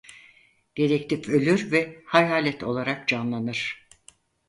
Dedektif ölür ve hayalet olarak canlanır.